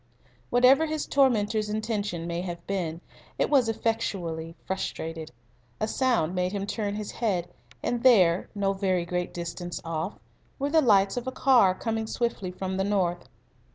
Whatever his tormentor's intention may have been, it was very effectually frustrated. A sound made him turn his head, and there, no very great distance off, were the lights of a car coming swiftly from the north.